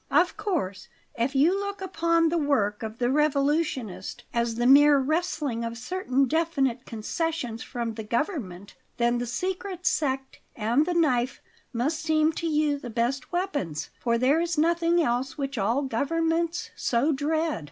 Of course, if you look upon the work of the revolutionist as the mere wresting of certain definite concessions from the government, then the secret sect and the knife must seem to you the best weapons, for there is nothing else which all governments so dread.